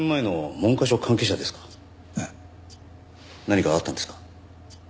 何かあったんですか？